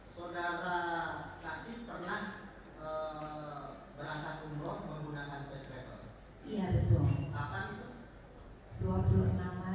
saudara saksi pernah berasa tumbuh menggunakan first travel